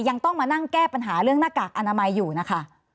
ยังต้องมานั่งแก้ปัญหาเรื่องหน้ากากอนามัยอยู่นะคะ